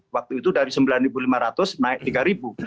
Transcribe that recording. waktu itu dari rp sembilan lima ratus naik rp tiga